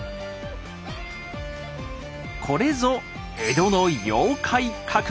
これぞ江戸の「妖怪革命」。